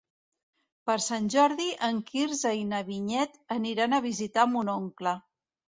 Per Sant Jordi en Quirze i na Vinyet aniran a visitar mon oncle.